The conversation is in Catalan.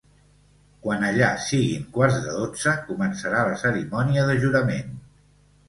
Quan allà siguin quarts de dotze, començarà la cerimònia de jurament.